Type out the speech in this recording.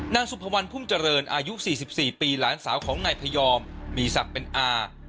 นางสุภาวันพุ่มเจริญอายุ๔๔ปีหลานสาวของนายพยอมมีศักดิ์เป็นอา